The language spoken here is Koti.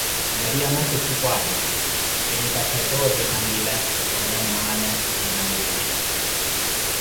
Mariyamo ku jipu, araka: kinimpatha toovi hamila wala mwaana kihina nlume ?